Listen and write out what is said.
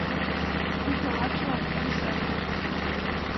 Пу полатшылан пу шерге